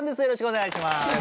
よろしくお願いします。